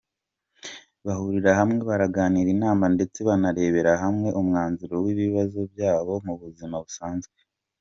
Bahurira hamwe bagirana inama ndetse banarebera hamwe umwanzuro wibibazo byabo mu buzima busanzwe”.